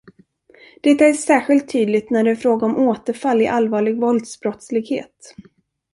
Detta är särskilt tydligt när det är fråga om återfall i allvarlig våldsbrottslighet.